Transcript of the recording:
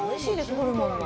ホルモンの。